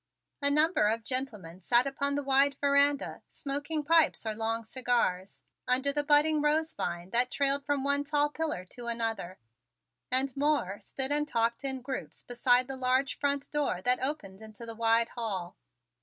A number of gentlemen sat upon the wide verandah smoking pipes or long cigars under the budding rose vine that trailed from one tall pillar to another, and more stood and talked in groups beside the large front door that opened into the wide hall.